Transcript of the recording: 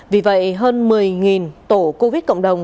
vì vậy hơn một mươi tổ covid cộng đồng